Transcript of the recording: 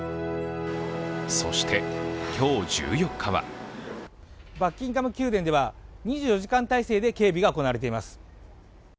そして、今日１４日はバッキンガム宮殿では２４時間態勢で警備が行われています。